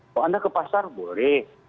kalau anda ke pasar boleh